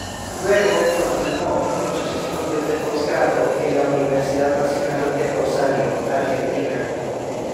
Luego continúo con sus estudios de Posgrado en la Universidad Nacional de Rosario, Argentina.